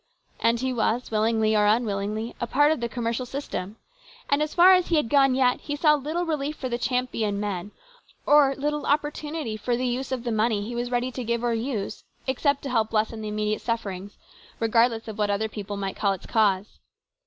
And he was, willingly or unwillingly, a part of the com mercial system, and as far as he had gone yet he saw little relief for the Champion men, or little opportu nity for the use of the money he was ready to give or use, except to help lessen the immediate sufferings, regardless of what other people might call its cause.